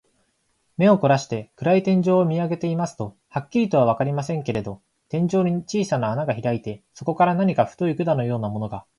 目をこらして、暗い天井を見あげていますと、はっきりとはわかりませんけれど、天井に小さな穴がひらいて、そこから何か太い管のようなものが、